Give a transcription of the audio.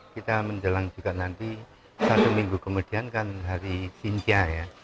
kita menjelang juga nanti satu minggu kemudian kan hari sintia ya